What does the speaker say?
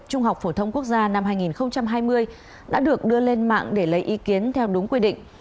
trung học phổ thông quốc gia năm hai nghìn hai mươi đã được đưa lên mạng để lấy ý kiến theo đúng quy định